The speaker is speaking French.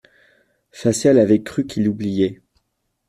Facial avait cru qu'il oubliait.